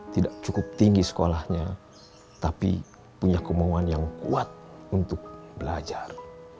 tidak cukup tinggi sekolahnya tapi punya kemauan yang kuat untuk belajar